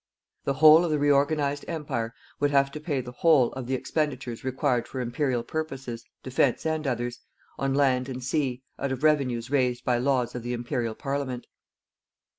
The whole of the reorganized Empire would have to pay the whole of the expenditures required for Imperial purposes, defense and others, on land and sea, out of revenues raised by laws of the Imperial Parliament.